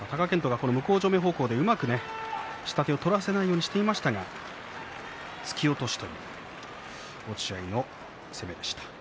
向正面でうまく下手を取らせないようにしていましたが突き落としという落合の攻めでした。